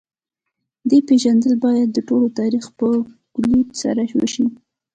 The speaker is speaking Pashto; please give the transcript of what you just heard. دین پېژندل باید د ټول تاریخ په کُلیت سره وشي.